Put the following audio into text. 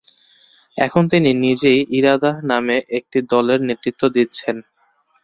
এখন তিনি নিজেই ইরাদাহ নামে একটি দলের নেতৃত্ব দিচ্ছেন।